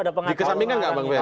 di kesampingkan nggak bang ferry